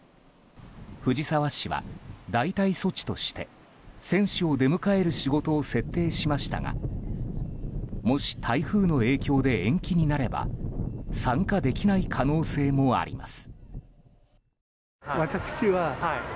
藤沢市は大体措置として選手を出迎える仕事を設定しましたがもし台風の影響で延期になれば参加できない可能性もあります。